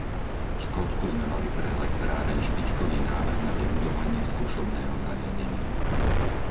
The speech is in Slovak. V Škótsku sme mali pre elektráreň špičkový návrh na vybudovanie skúšobného zariadenia.